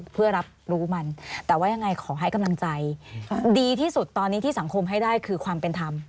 เพื่อรับรู้มันแต่ว่ายังไงขอให้กำลังใจดีที่สุดตอนนี้ที่สังคมให้ได้คือความเป็นธรรม